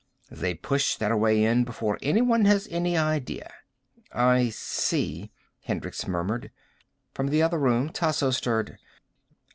They push their way in before anyone has any idea." "I see," Hendricks murmured. From the other room Tasso stirred.